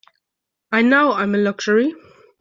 I knows I'm a luxury.